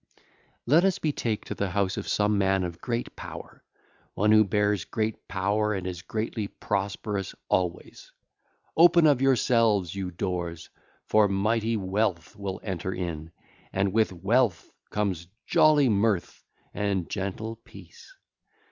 XV. (13 lines) 2607 (ll. 1 7) Let us betake us to the house of some man of great power,—one who bears great power and is greatly prosperous always. Open of yourselves, you doors, for mighty Wealth will enter in, and with Wealth comes jolly Mirth and gentle Peace.